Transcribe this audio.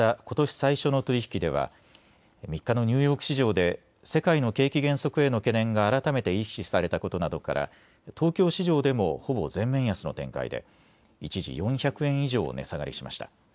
最初の取り引きでは３日のニューヨーク市場で世界の景気減速への懸念が改めて意識されたことなどから東京市場でもほぼ全面安の展開で一時４００円以上値下がりしました。